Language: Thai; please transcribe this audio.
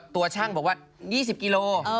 ตัวช่างบอกว่า๒๐กิโล